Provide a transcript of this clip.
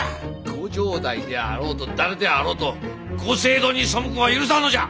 御城代であろうと誰であろうと御政道に背くは許さんのじゃ！